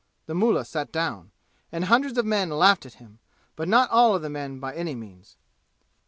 The mullah sat down, and hundreds of men laughed at him, but not all of the men by any means.